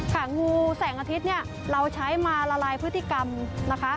งูแสงอาทิตย์เนี่ยเราใช้มาละลายพฤติกรรมนะคะ